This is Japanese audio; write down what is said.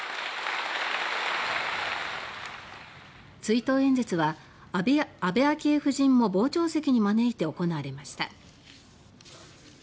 追悼演説は、安倍昭恵夫人も傍聴席に招いて行われました。